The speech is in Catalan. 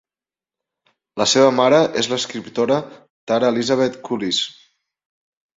La seva mare és l'escriptora Tara Elizabeth Cullis.